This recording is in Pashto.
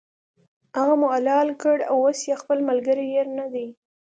هغه مو حلال کړ، اوس یې خپل ملګری هېر نه دی.